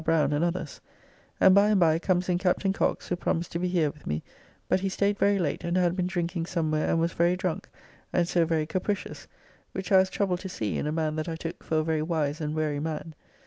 Browne and others and by and by comes in Captain Cox who promised to be here with me, but he staid very late, and had been drinking somewhere and was very drunk, and so very capricious, which I was troubled to see in a man that I took for a very wise and wary man.